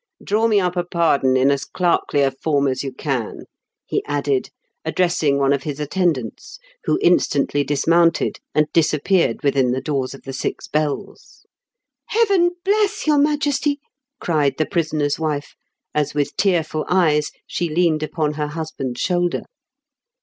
Draw me up a pardon in as clerkly a form as you can," he added, addressing one of his attendants, who instantly dismounted and disappeared within the doors of The Six Bells. "Heaven bless your Majesty!" cried the prisoner's wife, as with tearful eyes she leaded upon her husband's shoulder.